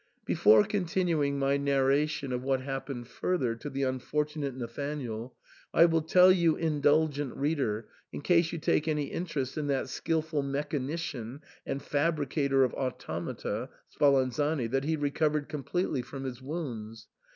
Before continuing my narration of what happened further to the unfortunate Nathanael, I will tell you, indulgent reader, in case you take any interest in that skilful mechanician and fabricator of automata, Spa lanzani, that he recovered completely from his wounds.